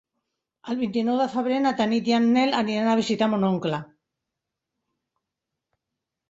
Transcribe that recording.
El vint-i-nou de febrer na Tanit i en Nel aniran a visitar mon oncle.